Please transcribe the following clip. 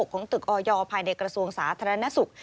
ของตึกออยภายในกระทรวงสาธารณสุข